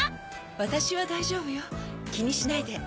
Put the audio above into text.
私は大丈夫よ気にしないで。